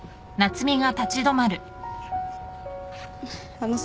あのさ。